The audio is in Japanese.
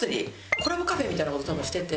コラボカフェみたいな事を多分してて。